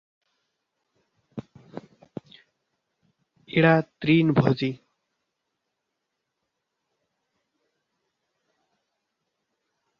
এরা তৃণভোজী।